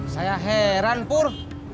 saya heran pur